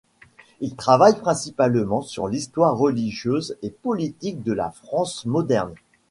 Il travaille principalement sur l'histoire religieuse et politique de la France moderne.